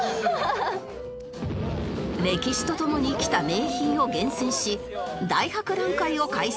歴史とともにきた名品を厳選し大博覧会を開催！